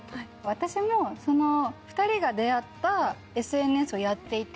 私も２人が出会ったＳＮＳをやっていて。